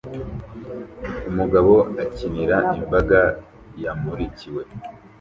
Umugabo akinira imbaga yamurikiwe